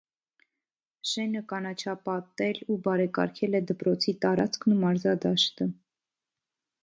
Շենը կանաչապետել ու բարեկարգել է դպրոցի տարածքն ու մարզադաշտը։